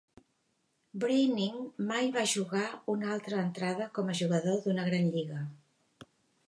Breining mai va jugar una altra entrada com a jugador d'una Gran Lliga.